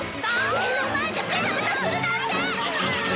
目の前でベタベタするなんて！